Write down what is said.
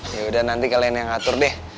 ya udah nanti kalian yang ngatur deh